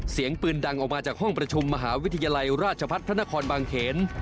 เสียงปืนดังออกมาจากห้องประชุมมหาวิทยาลัยราชพัฒนพระนครบางเขน